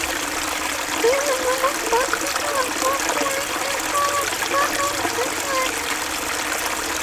I have examined both festivals more fully in a former part of this work.